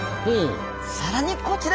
さらにこちら。